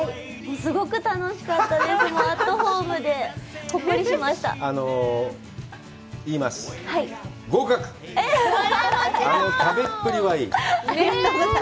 すごく楽しかったです！